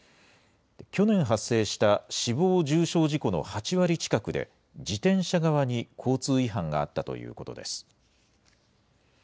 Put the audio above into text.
去年発生した死亡・重傷事故の８割近くで、自転車側に交通違反があったということです。